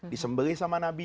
disembeli sama nabi